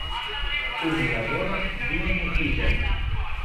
Unu laboras du amuziĝas!